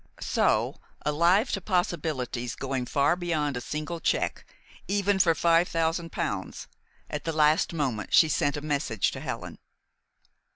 So, alive to possibilities going far beyond a single check, even for five thousand pounds, at the last moment she sent a message to Helen.